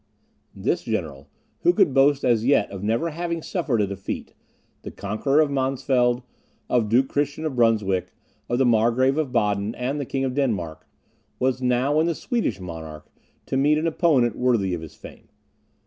This general, who could boast as yet of never having suffered a defeat, the conqueror of Mansfeld, of Duke Christian of Brunswick, of the Margrave of Baden, and the King of Denmark, was now in the Swedish monarch to meet an opponent worthy of his fame.